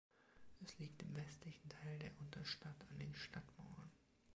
Es liegt im westlichen Teil der Unterstadt an den Stadtmauern.